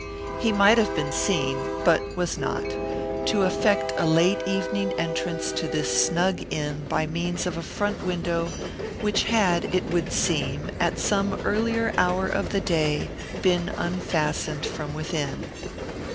He might have been seen but was not to effect a late evening entrance to this snug inn by means of a front window which had, it would seem, at some earlier hour of the day, been unfastened from within.